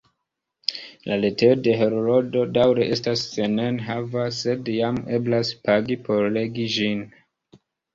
La retejo de Heroldo daŭre estas senenhava, sed jam eblas pagi por legi ĝin.